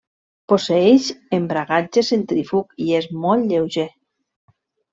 Posseeix embragatge centrífug i és molt lleuger.